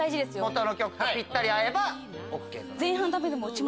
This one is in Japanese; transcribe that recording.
もとの曲とぴったり合えばＯＫ。